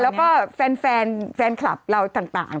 คุมค่ะแล้วก็แฟนแฟนคลับเราต่าง